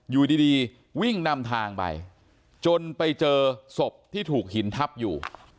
อยู่ดีวิ่งนำทางไปจนไปเจอศพที่ถูกหินทับอยู่